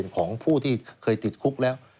ของผู้ที่เคยติดคุกแล้ว